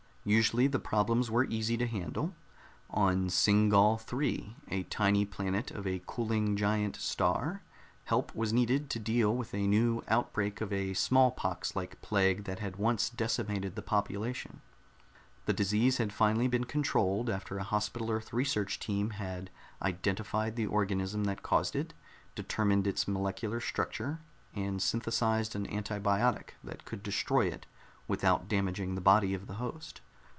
Usually the problems were easy to handle. On Singall III, a tiny planet of a cooling giant star, help was needed to deal with a new outbreak of a smallpox like plague that had once decimated the population; the disease had finally been controlled after a Hospital Earth research team had identified the organism that caused it, determined its molecular structure, and synthesized an antibiotic that could destroy it without damaging the body of the host.